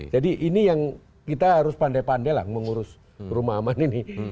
jadi ini yang kita harus pandai pandai lah mengurus rumah aman ini